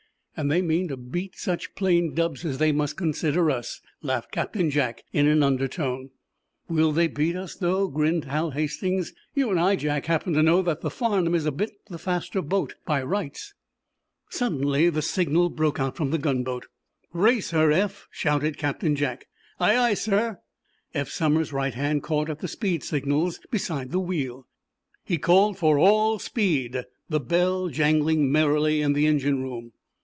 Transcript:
"And they mean to beat such plain 'dubs' as they must consider us," laughed Captain Jack, in an undertone. "Will they beat us, though?" grinned Hal Hastings. "You and I, Jack, happen to know that the 'Farnum' is a bit the faster boat by rights." Suddenly the signal broke out from the gunboat. "Race her, Eph!" shouted Captain Jack. "Aye, aye, sir!" Eph Somers's right hand caught at the speed signals beside the wheel. He called for all speed, the bell jangling merrily in the engine room.